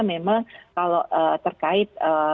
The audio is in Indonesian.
memang kalau terkait